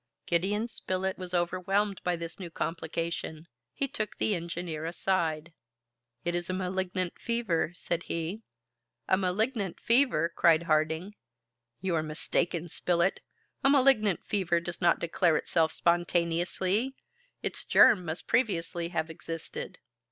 Gideon Spilett was overwhelmed by this new complication. He took the engineer aside. "It is a malignant fever," said he. "A malignant fever!" cried Harding. "You are mistaken, Spilett. A malignant fever does not declare itself spontaneously; its germ must previously have existed."